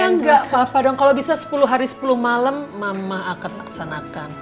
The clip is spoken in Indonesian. ya enggak apa apa dong kalau bisa sepuluh hari sepuluh malam mama akan laksanakan